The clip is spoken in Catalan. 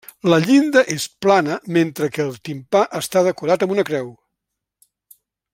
La llinda és plana mentre que el timpà està decorat amb una creu.